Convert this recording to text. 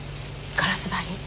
ガラス張り？